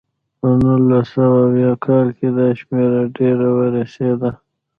په نولس سوه اویا کال کې دا شمېره ډېره ورسېده.